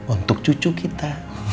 untuk cucu kita